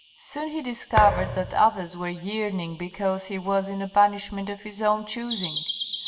Soon he discovered that others were yearning because he was in a banishment of his own choosing.